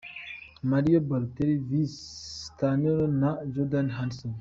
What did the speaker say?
Mario Balotelli Vs Sturridge na Jordan Henderson.